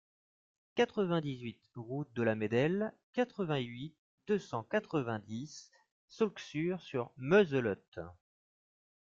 quatre-vingt-dix-huit route de la Médelle, quatre-vingt-huit, deux cent quatre-vingt-dix, Saulxures-sur-Moselotte